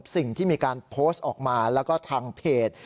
สิ่งที่มีการโพสต์ออกมาแล้วก็ทางเพจ